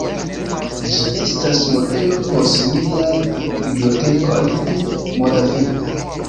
Ĝi estis modelo por similaj bibliotekoj en Moravio.